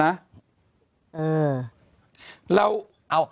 ไม่ใช่ค่ะ